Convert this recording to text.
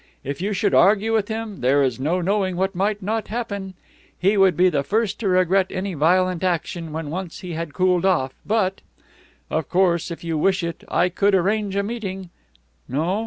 If you should argue with him, there is no knowing what might not happen. He would be the first to regret any violent action, when once he had cooled off, but Of course, if you wish it I could arrange a meeting. No?